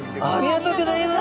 ありがとうございます。